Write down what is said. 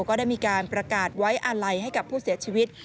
ก็ได้มีการประกาศไว้อาลัยให้กับผู้เสียชีวิต